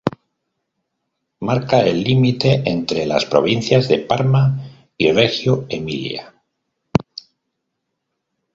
Marca el límite entre las provincias de Parma y Reggio Emilia.